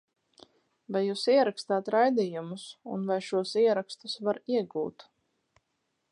Vai jūs ierakstāt raidījumus un vai šos ierakstus var iegūt?